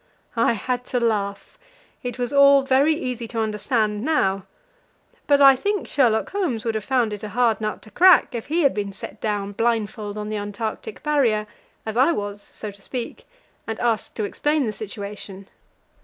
I had to laugh; it was all very easy to understand now. But I think Sherlock Holmes would have found it a hard nut to crack if he had been set down blindfold on the Antarctic Barrier, as I was, so to speak, and asked to explain the situation.